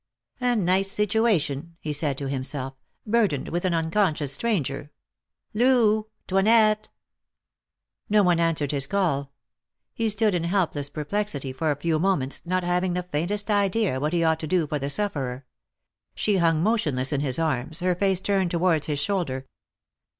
" A nice situation," he said to himself, " burdened with an unconscious stranger ! Loo ! Toinette !" No one answered his call. He stood in helpless perplexity for a few moments, not having the faintest idea what he ought to do for the sufferer. She hung motionless in his arms, her face turned towards his shoulder.